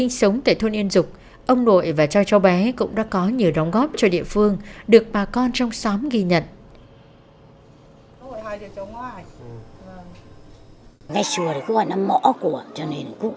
sống tại thôn yên dục ông nội và cho bé cũng đã có nhiều đóng góp cho địa phương được bà con trong xóm ghi nhận